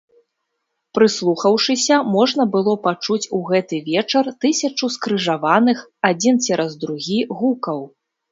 Прыслухаўшыся, можна было пачуць у гэты вечар тысячу скрыжаваных, адзін цераз другі, гукаў.